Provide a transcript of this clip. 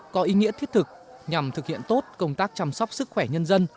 có ý nghĩa thiết thực nhằm thực hiện tốt công tác chăm sóc sức khỏe nhân dân